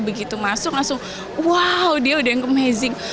begitu masuk langsung wow dia udah amazing